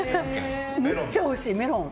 めっちゃおいしいメロン。